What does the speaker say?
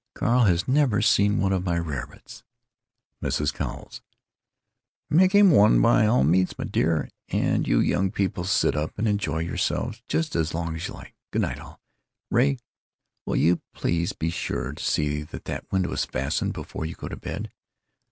Carl has never seen one of my rarebits." Mrs. Cowles: "Make him one by all means, my dear, and you young people sit up and enjoy yourselves just as long as you like. Good night, all.... Ray, will you please be sure and see that that window is fastened before you go to bed?